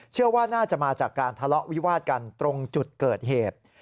เชื่อว่าน่าจะมาจากการทะเลาะวิวาดกันตรงจุดเกิดเหตุ